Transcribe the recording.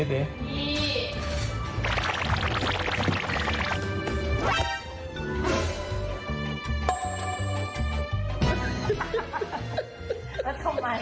นั่นล่ะสงสัยวันนี้ชิมมาแนวสวย